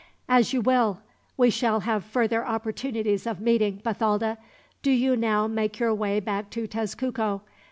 "As you will. We shall have further opportunities of meeting, Bathalda. Do you now make your way back to Tezcuco.